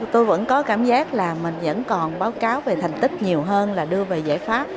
tôi vẫn có cảm giác là mình vẫn còn báo cáo về thành tích nhiều hơn là đưa về giải pháp